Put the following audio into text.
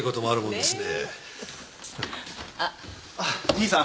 兄さん。